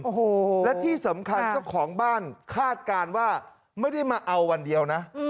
โอ้โหและที่สำคัญเจ้าของบ้านคาดการณ์ว่าไม่ได้มาเอาวันเดียวนะ